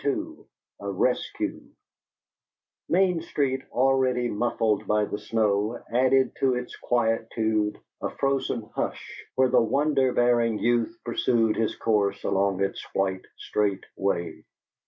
II A RESCUE Main Street, already muffled by the snow, added to its quietude a frozen hush where the wonder bearing youth pursued his course along its white, straight way.